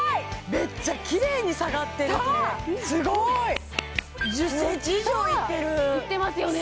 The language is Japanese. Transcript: めっちゃきれいに下がってるこれすごい！１０センチ以上いってる・いってますよね・